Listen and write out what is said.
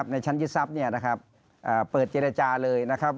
ในชั้นยึดทรัพย์เปิดเจรจาเลยนะครับ